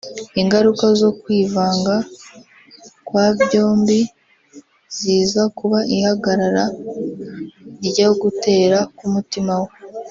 ingaruka zo kwivanga kwa byombi ziza kuba ihagarara ryo gutera kw’umutima we